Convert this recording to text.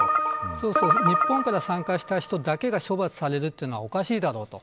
そうすると日本から参加した人だけが処罰されるのはおかしいだろうと。